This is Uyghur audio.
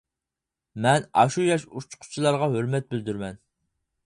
مەن ئاشۇ ياش ئۇچقۇچىلارغا ھۆرمەت بىلدۈرىمەن.